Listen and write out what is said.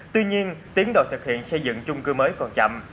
tuy nhiên tiến độ thực hiện xây dựng chung cư mới còn chậm